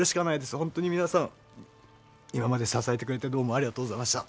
本当に皆さん今まで支えてくれてどうもありがとうございました。